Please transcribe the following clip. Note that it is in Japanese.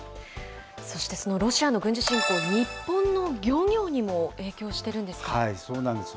そしてそのロシアの軍事侵攻、日本の漁業にも影響してるんですそうなんです。